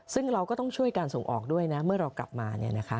ซึ่งเราก็ต้องช่วยการส่งออกด้วยนะเมื่อเรากลับมา